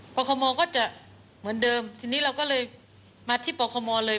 คมก็จะเหมือนเดิมทีนี้เราก็เลยมาที่ปคมเลย